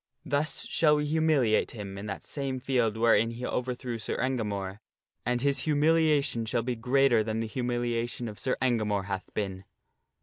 Thus shall we humiliate him in that same field wherein he overthrew Sir Engamore, and his humiliation shall be greater than the humiliation of Sir Engamore hath been."